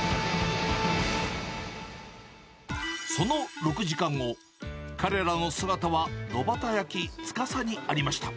その６時間後、彼らの姿はろばた焼き司にありました。